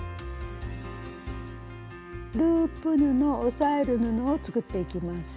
ループ布押さえる布を作っていきます。